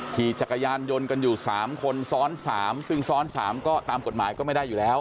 ขี่จักรยานยนต์กันอยู่๓คนซ้อน๓ซึ่งซ้อน๓ก็ตามกฎหมายก็ไม่ได้อยู่แล้ว